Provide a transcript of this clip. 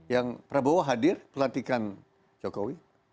yang prabowo hadir pelantikan jokowi